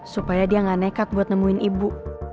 supaya dia gak nekat buat nemuin ibu